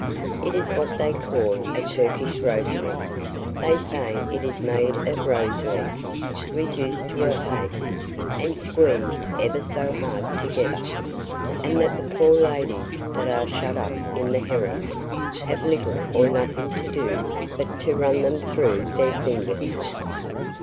It is what they call a Turkish rosary; they say it is made of rose leaves reduced to a paste and squeezed ever so hard together, and that the poor ladies that are shut up in the harems have little or nothing to do but to run them through their fingers."